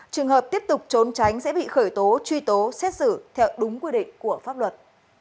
trường hợp tiếp tục trốn tránh sẽ bị khởi tố truy tố xét xử theo đúng quy định của pháp luật